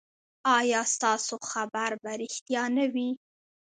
ایا ستاسو خبر به ریښتیا نه وي؟